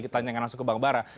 kita tanyakan langsung ke bang bara